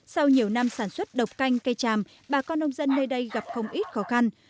sau nhiều năm sản xuất độc canh cây tràm bà con nông dân nơi đây gặp không ít khó khăn